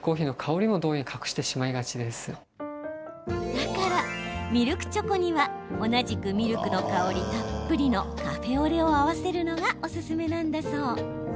だから、ミルクチョコには同じくミルクの香りたっぷりのカフェオレを合わせるのがおすすめなんだそう。